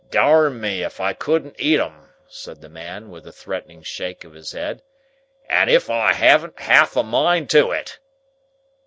"Darn me if I couldn't eat 'em," said the man, with a threatening shake of his head, "and if I han't half a mind to't!"